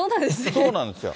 そうなんですよ。